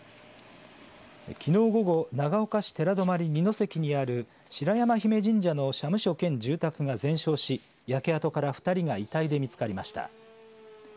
きのう午後長岡市寺泊二ノ関にある白山媛神社の社務所兼住宅が全焼し焼け跡から２人が遺体で見つかりました。